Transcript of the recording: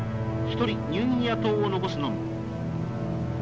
一人ニューギニア島を残すのみ」。